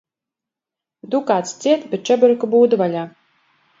Dukāts ciet, bet čebureku būda vaļā.